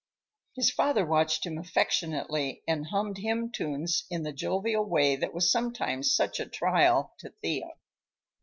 His father watched him affectionately and hummed hymn tunes in the jovial way that was sometimes such a trial to Thea.